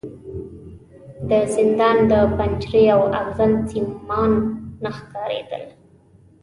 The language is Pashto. د زندان پنجرې او ازغن سیمان نه ښکارېدل.